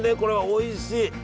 おいしい！